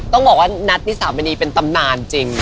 ต้องบอกว่านัทนิสามณีเป็นตำนานจริง